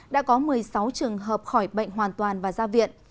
đã có một mươi sáu trường hợp khỏi bệnh hoàn toàn và ra viện